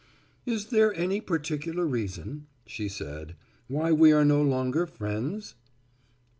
"Is there any particular reason," said she, "why we are no longer friends?"